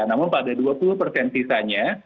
namun pada dua puluh persen sisanya